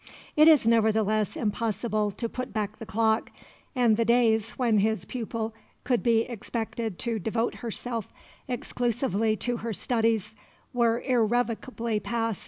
It is nevertheless impossible to put back the clock, and the days when his pupil could be expected to devote herself exclusively to her studies were irrevocably past.